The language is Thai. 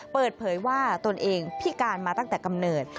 เปิดเผยว่าตนเองพิการมาตั้งแต่กำเนิด